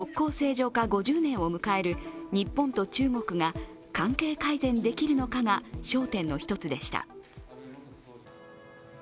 明日、国交正常化５０年を迎える日本と中国が関係改善できるのかが焦点の一つでした。